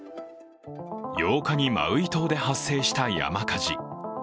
８日にマウイ島で発生した山火事。